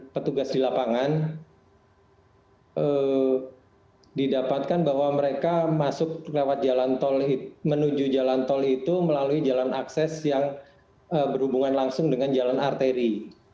petugas di lapangan didapatkan bahwa mereka masuk lewat menuju jalan tol itu melalui jalan akses yang berhubungan langsung dengan jalan arteri